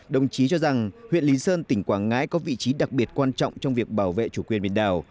đồng chí cho rằng huyện lý sơn tỉnh quảng ngãi có vị trí đặc biệt quan trọng trong việc bảo vệ chủ quyền biển đảo